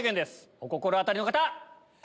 お心当たりの方！